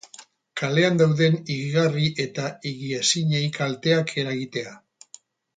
Kalean dauden higigarri eta higiezinei kalteak eragitea.